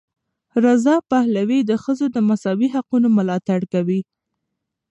رضا پهلوي د ښځو د مساوي حقونو ملاتړ کوي.